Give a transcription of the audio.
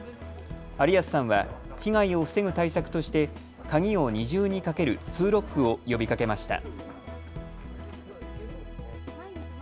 有安さんは被害を防ぐ対策として鍵を二重にかけるツーロックを呼びかけました。